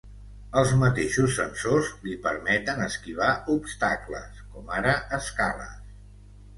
Els mateixos sensors li permeten esquivar obstacles com ara escales.